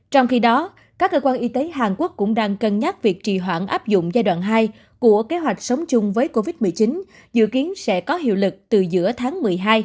trong khi đó các cơ quan y tế hàn quốc cũng đang cân nhắc việc trì hoãn áp dụng giai đoạn hai của kế hoạch sống chung với covid một mươi chín dự kiến sẽ có hiệu lực từ giữa tháng một mươi hai